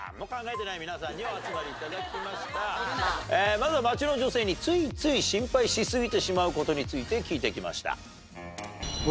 まずは街の女性についつい心配しすぎてしまうことについて聞いてきました。